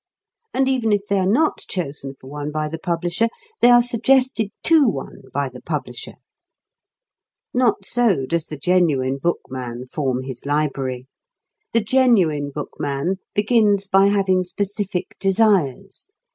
And even if they are not chosen for one by the publisher, they are suggested to one by the publisher. Not so does the genuine bookman form his library. The genuine bookman begins by having specific desires.